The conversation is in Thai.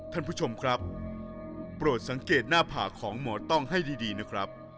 ท่านผู้ชมครับโปรดสังเกตหน้าผากของหมอต้องให้ดีนะครับ